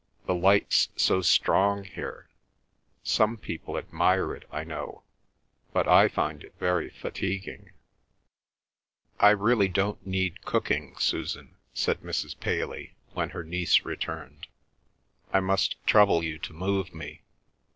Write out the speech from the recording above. The light's so strong here. Some people admire it, I know, but I find it very fatiguing." "I really don't need cooking, Susan," said Mrs. Paley, when her niece returned. "I must trouble you to move me."